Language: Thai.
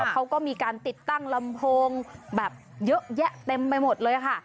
เขาก็มีการติดตั้งลำโพงแบบเยอะแยะเต็มไปหมดเลยค่ะ